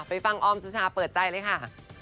ฟังออมสุชาเปิดใจเลยค่ะ